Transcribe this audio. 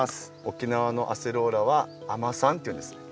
沖縄のアセロラは「あまさん」っていうんですね。